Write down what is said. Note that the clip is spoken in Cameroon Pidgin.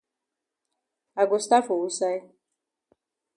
I go stat for wusaid?